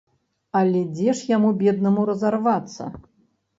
Але дзе ж яму беднаму разарвацца.